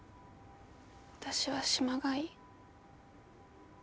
私は島がいい。